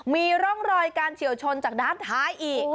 มีร่องรอยการเฉียวชนจากด้านท้ายอีก